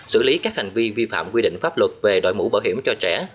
xử lý các hành vi vi phạm quy định pháp luật về đội mũ bảo hiểm cho trẻ